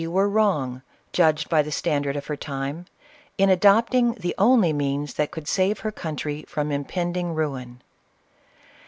were wrong, judged by the standard of her time, in adopting the only means that could save her country from impending ruin.